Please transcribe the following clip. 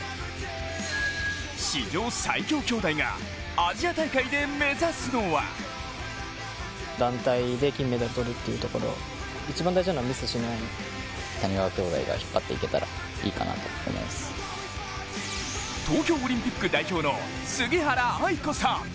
史上最強兄弟がアジア大会で目指すのは東京オリンピック代表の杉原愛子さん。